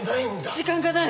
時間がない！